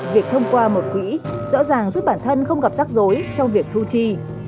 việc thông qua một quỹ rõ ràng giúp bản thân không gặp rắc rối trong việc thu chi